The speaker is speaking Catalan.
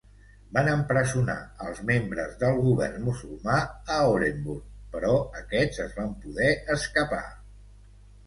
Van empresonar als membres del govern musulmà a Orenburg, però aquests es van poder escapar.